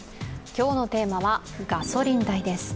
今日のテーマはガソリン代です。